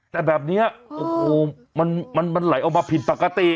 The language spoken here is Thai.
แต่แบบนี้โอ้โหมันไหลออกมาผิดปกติ